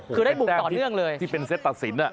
คือได้บุกต่อเนื่องเลยโอ้โฮเป็นแต้งที่เป็นเซ็ตตัดสิน